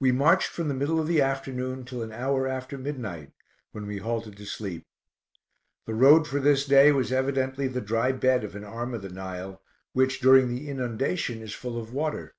We marched from the middle of the afternoon till an hour after midnight, when we halted to sleep. The road for this day was evidently the dry bed of an arm of the Nile, which, during the inundation, is full of water.